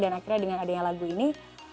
dan akhirnya dengan adanya lagu ini